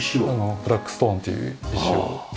ブラックストーンっていう石を。